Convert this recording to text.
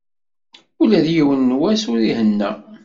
Ula yiwen wass ur ihenna.